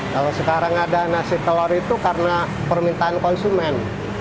kalau sekarang ada nasi telur itu karena permintaan konsumen